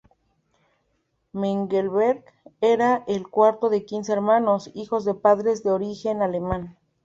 Mengelberg era el cuarto de quince hermanos, hijos de padres de origen alemán.